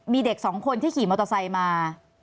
มีเด็กสองคนที่ขี่มอเตอร์ไซค์มา